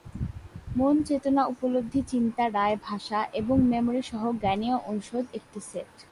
মন চেতনা উপলব্ধি চিন্তা রায় ভাষা এবং মেমরি সহ জ্ঞানীয় অনুষদ একটি সেট।